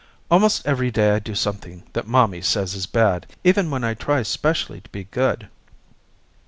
Almost every day I do something that mommy says is bad even when I try specially to be good.